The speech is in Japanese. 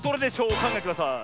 おかんがえください。